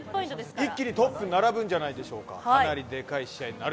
一気にトップに並ぶんじゃないでしょうか。